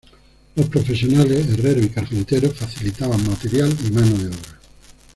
Los profesionales, herreros y carpinteros, facilitaban material y mano de obra.